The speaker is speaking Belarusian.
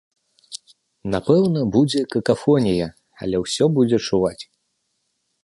Напэўна, будзе какафонія, але ўсё будзе чуваць.